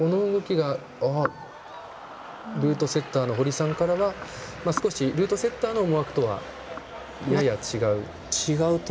ルートセッターの堀さんからは、この動きは少しルートセッターの思惑とは、やや違うと。